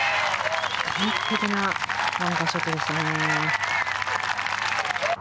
完璧なバンカーショットでしたね。